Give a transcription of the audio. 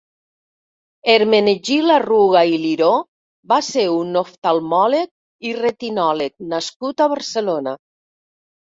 Hermenegild Arruga i Liró va ser un oftalmòleg i retinòleg nascut a Barcelona.